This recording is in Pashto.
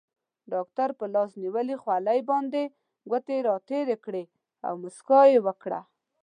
ډاکټر په لاس کې نیولې خولۍ باندې ګوتې راتېرې کړې او موسکا یې وکړه.